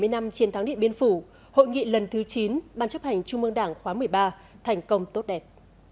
bảy mươi năm chiến thắng điện biên phủ hội nghị lần thứ chín ban chấp hành trung mương đảng khóa một mươi ba thành công tốt đẹp